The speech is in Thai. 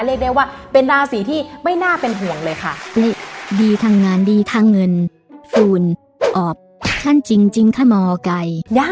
เรียกได้ว่าเป็นราศีที่ไม่น่าเป็นห่วงเลยค่ะ